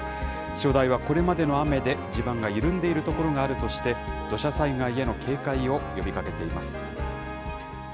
気象台はこれまでの雨で地盤が緩んでいる所があるとして、土砂災害への警戒を呼びかけています。